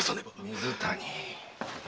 水谷。